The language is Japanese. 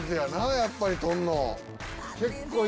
やっぱり撮るの。